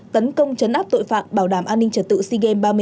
tấn công chấn áp tội phạm bảo đảm an ninh trật tự sigem ba mươi một